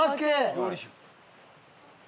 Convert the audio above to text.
料理酒。